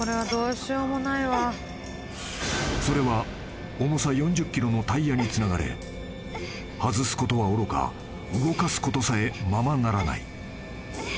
［それは重さ４０ｋｇのタイヤにつながれ外すことはおろか動かすことさえままならない］